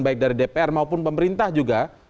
baik dari dpr maupun pemerintah juga